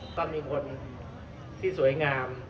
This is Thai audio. ก็มีคนที่สวยงาม